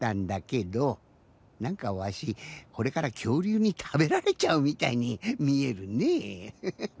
なんかわしこれからきょうりゅうにたべられちゃうみたいにみえるねフフ。